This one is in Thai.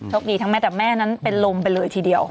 คดีทั้งแม่แต่แม่นั้นเป็นลมไปเลยทีเดียว